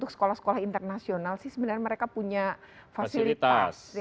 sekolah sekolah internasional sih sebenarnya mereka punya fasilitas